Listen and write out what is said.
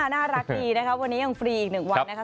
น่ารักดีนะครับวันนี้ยังฟรีอีก๑วันนะคะ